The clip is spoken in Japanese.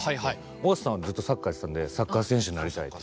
尾形さんはずっとサッカーやってたんでサッカー選手になりたいって